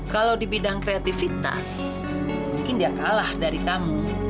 kalau di bidang kreativitas mungkin dia kalah dari kamu